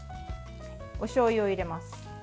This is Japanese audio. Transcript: おしょうゆを入れます。